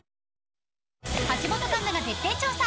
橋本環奈が徹底調査。